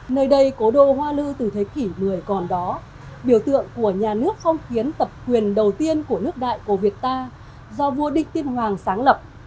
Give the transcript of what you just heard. nơi đây cố đô hoa lư từ thế kỷ một mươi còn đó biểu tượng của nhà nước không khiến tập quyền đầu tiên của nước đại của việt ta do vua đinh tiên hoàng sáng lập